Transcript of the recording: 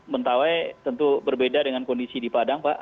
mentawai tentu berbeda dengan kondisi di padang pak